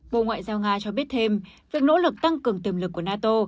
bộ ngoại giao nga cho biết thêm việc nỗ lực tăng cường tiềm lực của nato